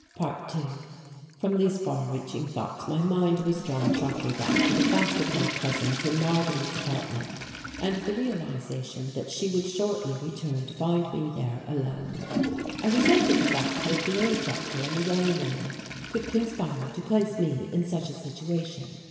~2~ From these far reaching thoughts my mind was drawn sharply back to the fact of my presence in Marguerite's apartment and the realization that she would shortly return to find me there alone. I resented the fact that the old doctor and the young woman could conspire to place me in such a situation.